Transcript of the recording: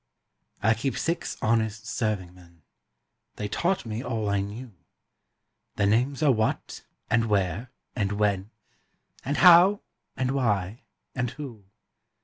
I Keep six honest serving men: (They taught me all I knew) Their names are What and Where and When And How and Why and Who.